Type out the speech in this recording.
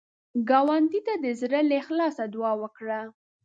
ګاونډي ته د زړه له اخلاص دعا وکړه